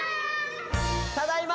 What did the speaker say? ただいま！